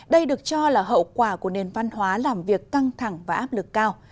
đây được cho là hậu quả của nền văn hóa làm việc căng thẳng và áp lực cao